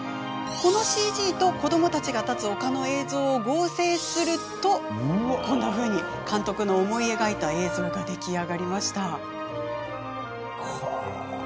このＣＧと子どもたちが立つ丘の映像を合成すると監督の思い描いた映像が出来上がりました。